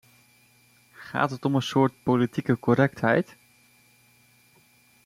Gaat het om een soort politieke correctheid?